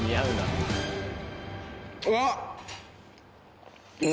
うわっ！